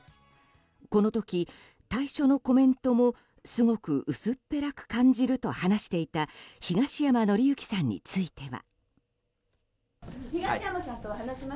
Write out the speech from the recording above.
この時、退所のコメントもすごく薄っぺらく感じると話していた東山紀之さんについては。